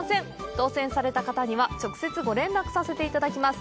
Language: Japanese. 当せんされた方には直接ご連絡させていただきます。